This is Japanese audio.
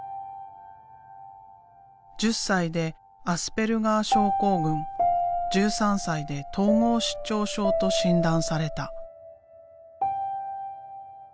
１０歳でアスペルガー症候群１３歳で統合失調症と診断された。